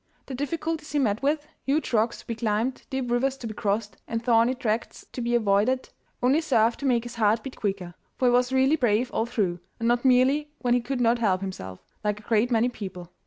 The difficulties he met with huge rocks to be climbed, deep rivers to be crossed, and thorny tracts to be avoided only served to make his heart beat quicker, for he was really brave all through, and not merely when he could not help himself, like a great many people.